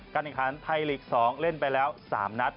การแข่งขันไทยลีก๒เล่นไปแล้ว๓นัด